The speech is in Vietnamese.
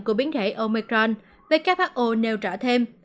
của biến thể omicron who nêu trả thêm